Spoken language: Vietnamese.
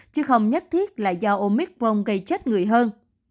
chứ không nhất thiết là do omicron gây chết người hơn